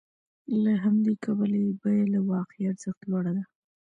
له همدې کبله یې بیه له واقعي ارزښت لوړه ده